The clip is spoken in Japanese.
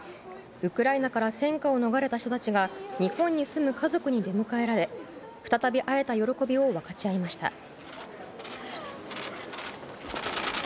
ウクライナから戦火を逃れた人たちが日本に住む家族に出迎えられ再び会えた喜びを分かち合いました。